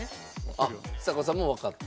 あっちさ子さんもわかった？